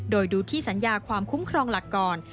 โดยดูที่สัญญาความคุ้มครองหลักก่อน